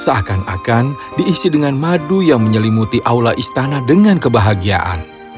seakan akan diisi dengan madu yang menyelimuti aula istana dengan kebahagiaan